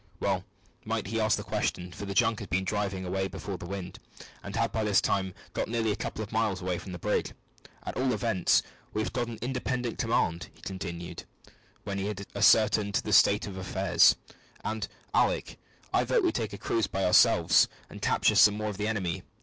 Well might he ask the question, for the junk had been driving away before the wind, and had by this time got nearly a couple of miles away from the brig. "At all events, we have got an independent command," he continued, when he had ascertained the state of affairs; "and, Alick, I vote we take a cruise by ourselves, and capture some more of the enemy.